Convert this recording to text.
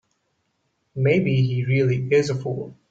Maybe he really is a fool.